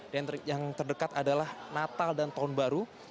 dan yang terdekat adalah natal dan tahun baru